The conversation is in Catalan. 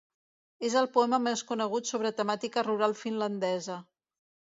És el poema més conegut sobre temàtica rural finlandesa.